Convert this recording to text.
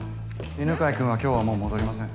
犬飼君は今日はもう戻りません。